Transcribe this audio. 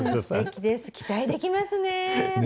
期待できますよね。